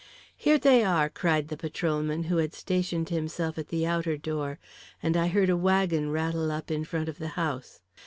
"Here t'ey are!" cried the patrolman, who had stationed himself at the outer door, and I heard a wagon rattle up in front of the house.